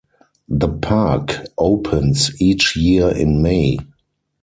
The park opens each year in May.